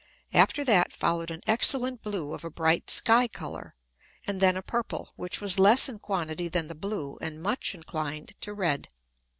After that follow'd an excellent blue of a bright Sky colour, and then a purple, which was less in quantity than the blue, and much inclined to red.